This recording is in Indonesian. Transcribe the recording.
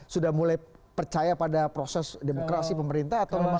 sudah mulai percaya pada proses demokrasi pemerintah atau memang